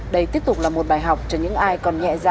đây tiếp tục là một bài học cho những ai còn nhẹ dạ